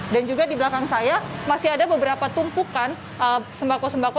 dan juga di belakang saya masih ada beberapa tumpukan sembako sembako